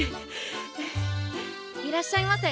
いらっしゃいませ。